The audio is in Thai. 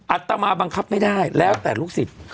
อัตมาบังคับไม่ได้แล้วแต่ลูกศิษย์